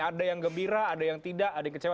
ada yang gembira ada yang tidak ada yang kecewa